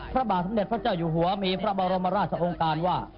พระบาทสมเด็จพระเจ้าอยู่หัวมีพระบรมราชองค์การว่า